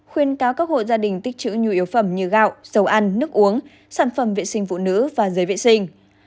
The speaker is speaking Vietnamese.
khuyên cáo các hội gia đình tích trữ nhiều yếu phẩm như gạo dầu ăn nước uống sản phẩm vệ sinh phụ nữ và giấy vệ sinh